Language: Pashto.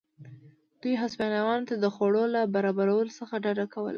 دوی هسپانویانو ته د خوړو له برابرولو څخه ډډه کوله.